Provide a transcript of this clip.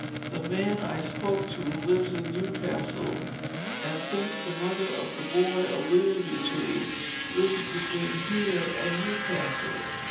The man I spoke to lives in New Castle, and thinks the mother of the boy alluded to lives between here and New Castle.